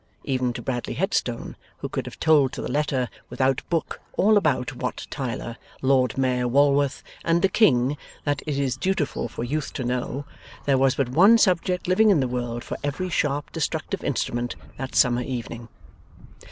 Even to Bradley Headstone, who could have told to the letter without book all about Wat Tyler, Lord Mayor Walworth, and the King, that it is dutiful for youth to know, there was but one subject living in the world for every sharp destructive instrument that summer evening.